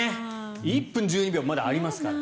１分１２秒まだありますから。